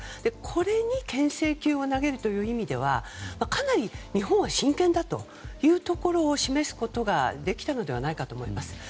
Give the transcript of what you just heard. これに牽制球を投げるという意味ではかなり日本は真剣だというところを示すことができたのではないかと思います。